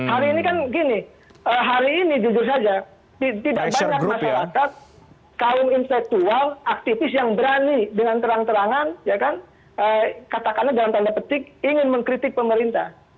hari ini kan gini hari ini jujur saja tidak banyak masyarakat kaum intelektual aktivis yang berani dengan terang terangan ya kan katakanlah dalam tanda petik ingin mengkritik pemerintah